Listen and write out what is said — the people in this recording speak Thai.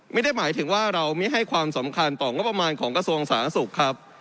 ไม่ได้หมายถึงว่าเราไม่ให้ความสำคัญต่องบประมาณของกระทรวงสาธารณสุขครับ